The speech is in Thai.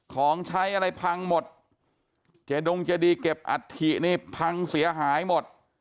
ของใช้อะไรพังหมดเจดงเจดีเก็บอัฐินี่พังเสียหายหมด